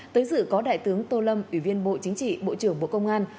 tới dự có đại tướng tô lâm ủy viên bộ chính trị bộ trưởng bộ công an